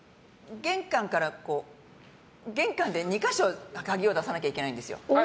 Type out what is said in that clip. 玄関で２か所鍵を出さないといけないんですよ。